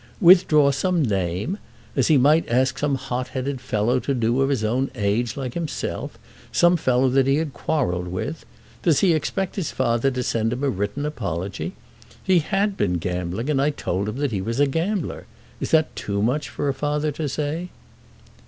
"Withdraw some name, as he might ask some hot headed fellow to do, of his own age, like himself; some fellow that he had quarrelled with! Does he expect his father to send him a written apology? He had been gambling, and I told him that he was a gambler. Is that too much for a father to say?"